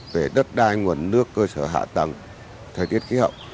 về đất đai nguồn nước cơ sở hạ tầng thời tiết khí hậu